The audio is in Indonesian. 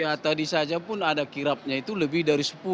ya tadi saja pun ada kirapnya itu lebih dari sepuluh